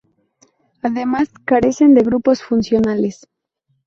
Además, carecen de grupos funcionales.